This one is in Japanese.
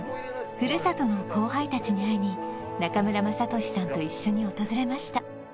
ふるさとの後輩達に会いに中村雅俊さんと一緒に訪れました